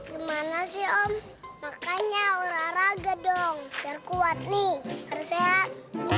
gimana sih om makanya olahraga dong biar kuat nih harus sehat